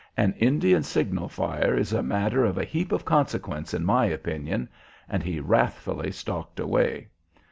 "An Indian signal fire is a matter of a heap of consequence in my opinion;" and he wrathfully stalked away.